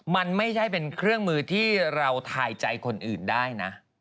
มันไม่ใช่เป็นเครื่องมือที่เราทายใจคนอื่นได้นะ